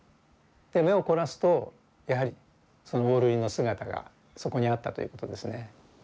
目を凝らすとやはりそのオオルリの姿がそこにあったということですね。